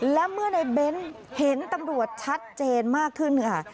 และเมื่อในเบ้นเห็นตำรวจชัดเจนมากขึ้นค่ะ